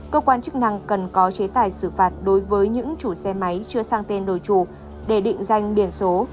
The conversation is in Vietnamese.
cơ quan chức năng cần có chế tài xử phạt đối với những chủ xe máy chưa sang tên đổi chủ để định danh biển số